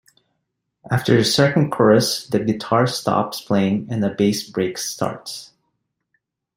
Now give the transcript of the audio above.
After the second chorus the guitar stops playing and a bass break starts.